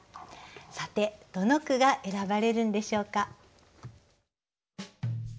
さてどの句が選ばれるんでしょうか。